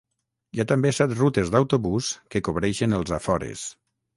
Hi ha també set rutes d'autobús que cobreixen els afores.